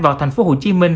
vào thành phố hồ chí minh